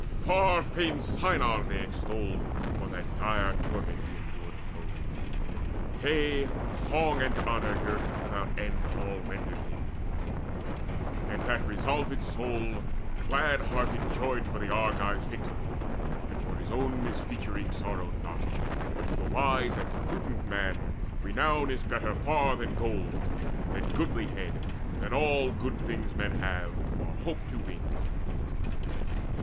Far famed Sinon they extolled For that dire torment he endured of foes; Yea, song and honour guerdons without end All rendered him: and that resolved soul Glad hearted joyed for the Argives victory, And for his own misfeaturing sorrowed not. For to the wise and prudent man renown Is better far than gold, than goodlihead, Than all good things men have or hope to win.